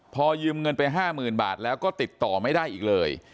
พอยืมเงินไป๕๐๐๐บาทแล้วก็ติดต่อไม่ได้อีกเลย